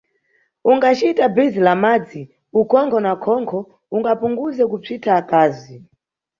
Ungacita bhizi la madzi, ukhonkho na khonkho ungapunguze kusvitha akazi.